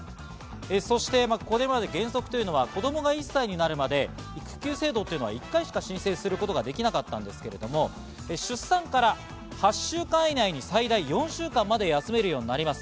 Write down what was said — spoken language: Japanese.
そして、これまで原則は子供が１歳になるまで育休制度は１回しか申請することができなかったんですけれど、出産から８週間以内に最大４週間まで休めるようになります。